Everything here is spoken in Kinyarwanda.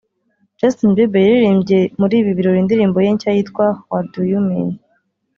Justin Bieber yaririmbye muri ibi birori indirimbo ye nshya yitwa ‘What Do You Mean